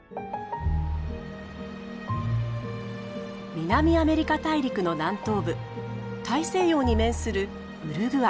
南アメリカ大陸の南東部大西洋に面するウルグアイ。